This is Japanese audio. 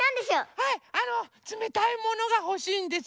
はいあのつめたいものがほしいんです。